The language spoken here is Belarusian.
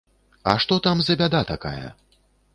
А што там за бяда такая?